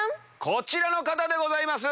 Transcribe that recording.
こちらの方でございます。